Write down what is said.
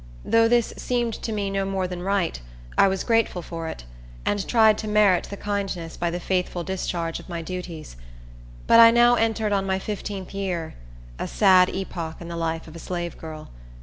Though this seemed to me no more than right, I was grateful for it, and tried to merit the kindness by the faithful discharge of my duties. But I now entered on my fifteenth year—a sad epoch in the life of a slave girl.